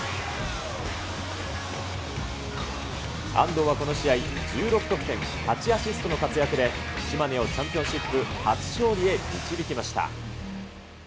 安藤はこの試合、１６得点、８アシストの活躍で、島根をチャンピオンシップ初勝利へ導きました。